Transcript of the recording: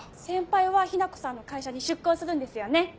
先輩は雛子さんの会社に出向するんですよね。